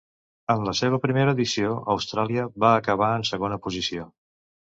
En la seva primera edició Austràlia va acabar en la segona posició.